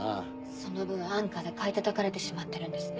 その分安価で買いたたかれてしまってるんですね？